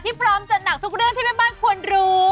พร้อมจัดหนักทุกเรื่องที่แม่บ้านควรรู้